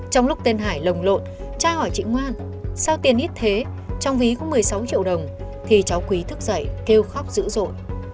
trong lúc tên hải lộng lộn cha hỏi chị ngoan sao tiền ít thế trong ví có một mươi sáu triệu đồng thì cháu quý thức dậy kêu khóc dữ dội